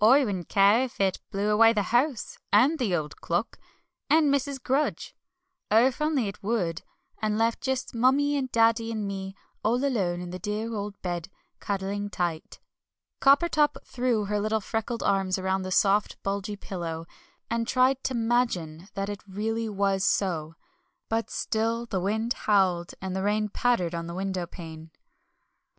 I wouldn't care if it blew away the house, and the old clock, and Mrs. Grudge. Oh, if only it would and left just Mummie and Daddy and me, all alone in the dear old bed, cuddling tight." Coppertop threw her little freckled arms round the soft, bulgy pillow, and tried to "'magine" that it really was so; but still the wind howled, and the rain pattered on the windowpane.